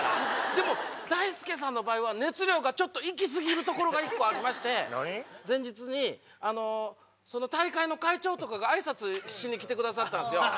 でも大輔さんの場合は熱量がちょっといきすぎるところが１個ありまして前日にその大会の会長とかがあいさつしに来てくださったんですよ。